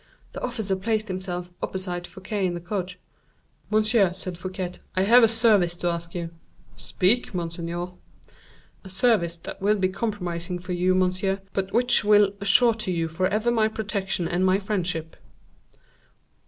The officer placed himself opposite Fouquet in the coach. "Monsieur," said Fouquet, "I have a service to ask of you." "Speak, monseigneur." "A service that will be compromising for you, monsieur, but which will assure to you forever my protection and my friendship."